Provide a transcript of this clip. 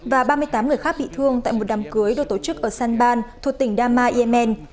và ba mươi tám người khác bị thương tại một đám cưới được tổ chức ở sanban thuộc tỉnh dama yemen